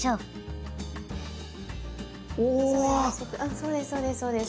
そうですそうです。